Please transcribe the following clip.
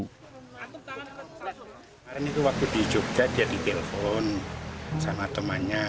hari ini waktu di jogja dia di telepon sama temannya